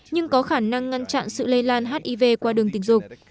nhưng có khả năng ngăn chặn sự lây lan hiv qua đường tình dục